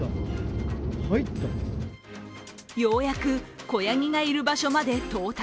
ようやく子やぎがいる場所まで到達。